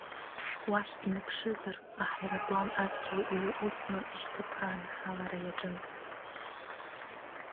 Уахь инаԥшызар, аҳаирплан адгьыл иҩаҟәыҵны ишьҭыԥрааны ахалара иаҿын.